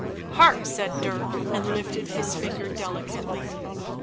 " Hark !" said Dirk, and lifted his finger delicately.